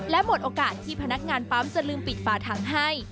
และหมดโอกาสที่พนักงานปั๊มจะลืมปิดฝาถังให้